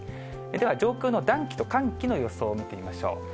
では、上空の暖気と寒気の予想を見てみましょう。